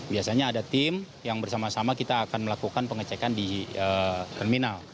biasanya ada tim yang bersama sama kita akan melakukan pengecekan di terminal